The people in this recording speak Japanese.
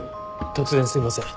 突然すいません。